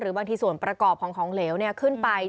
หรือบางทีส่วนประกอบของเหลวขึ้นไป